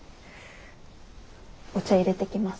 お茶いれてきます。